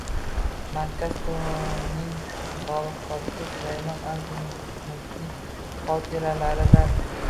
Markazqo’mning sobiq kotibi Sulaymon Azimovning xotiralaridan.